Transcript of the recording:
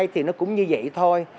thì nó cũng như vậy thôi